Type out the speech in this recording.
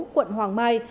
quận hoàng mai